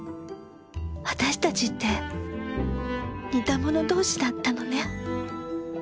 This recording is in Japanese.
私たちって似た者同士だったのね